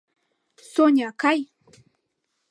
Соня, кай!